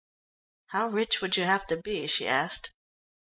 "How rich would you have to be?" she asked.